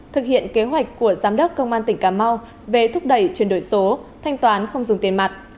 thực hiện kế hoạch của giám đốc công an tỉnh cà mau về thúc đẩy chuyển đổi số thanh toán không dùng tiền mặt